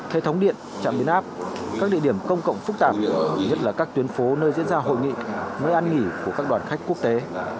hệ thống điện trạm biến áp các địa điểm công cộng phức tạp nhất là các tuyến phố nơi diễn ra hội nghị nơi ăn nghỉ của các đoàn khách quốc tế